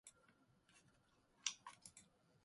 早く文章溜めて